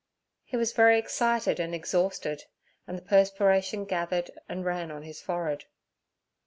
He was very excited and exhausted, and the perspiration gathered and ran on his forehead.